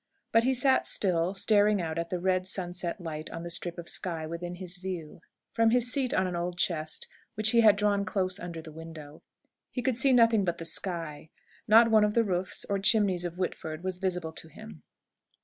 But he sat still, staring out at the red sunset light on the strip of sky within his view. From his seat on an old chest, which he had drawn close under the window, he could see nothing but the sky. Not one of the roofs or chimneys of Whitford was visible to him.